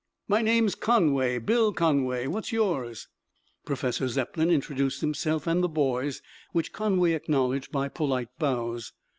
"My name's Conway. Bill Conway. What's yours?" Professor Zepplin introduced himself and the boys, which Conway acknowledged by polite bows.